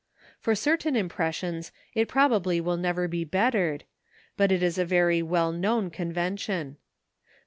For certain impressions it probably will never be bettered, but it is a very well worn convention.